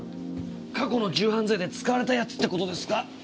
過去の銃犯罪で使われたやつって事ですか？